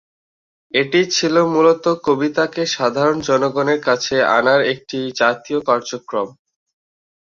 এটি ছিল মূলত কবিতাকে সাধারণ জনগণের কাছে আনার একটি জাতীয় কার্যক্রম।